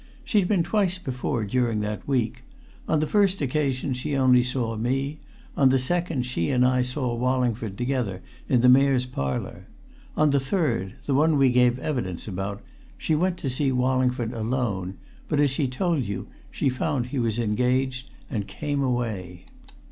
She'd been twice before, during that week. On the first occasion she only saw me; on the second she and I saw Wallingford together, in the Mayor's Parlour; on the third the one we gave evidence about she went to see Wallingford alone, but, as she told you, she found he was engaged, so she came away."